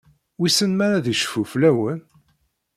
Wissen ma ad icfu fell-awen?